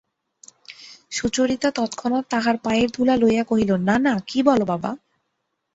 সুচরিতা তৎক্ষণাৎ তাঁহার পায়ের ধুলা লইয়া কহিল, না না, কী বল বাবা!